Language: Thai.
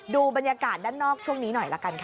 ดูบรรยากาศด้านนอกช่วงนี้หน่อยละกันค่ะ